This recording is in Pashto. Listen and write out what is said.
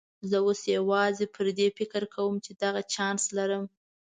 زه اوس یوازې پر دې فکر کوم چې دغه چانس لرم.